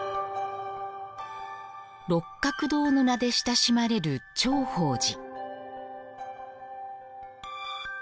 六角堂の名で親しまれる頂法寺。